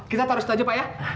kita taruh situ aja pak ya